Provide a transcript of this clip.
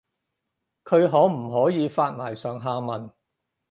佢可唔可以發埋上下文